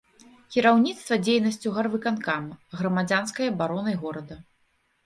Кіраўніцтва дзейнасцю гарвыканкама, грамадзянскай абаронай горада.